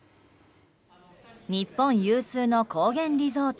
日本有数の高原リゾート